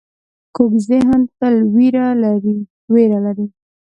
کوږ ذهن تل وېره لري